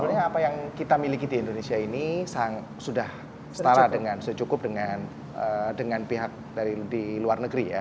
sebetulnya apa yang kita miliki di indonesia ini sudah setara dengan secukup dengan pihak dari luar negeri ya